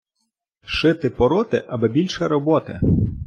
Шити-пороти, аби більше роботи.